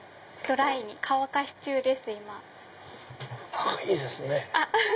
何かいいですね。